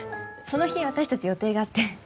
その日私たち予定があって。